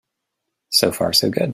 So far so good.